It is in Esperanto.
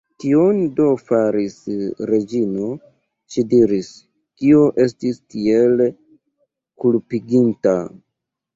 Kion do faris Reĝino, ŝi diris, kio estis tiel kulpiginda?